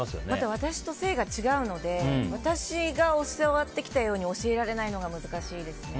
私と性が違うので私が教わってきたように教えられないのが難しいですね。